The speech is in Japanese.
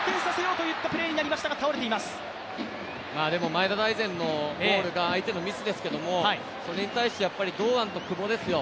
前田大然のゴールが相手のミスですけどもそれに対して堂安と久保ですよ。